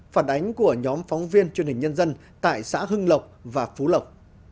phản ánh của nhóm phóng viên truyền hình nhân dân tại xã hưng lộc và phú lộc